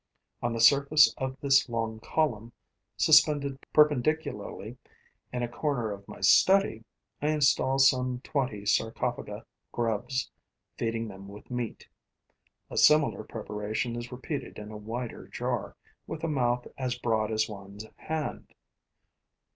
On the surface of this long column, suspended perpendicularly in a corner of my study, I install some twenty Sarcophaga grubs, feeding them with meat. A similar preparation is repeated in a wider jar, with a mouth as broad as one's hand.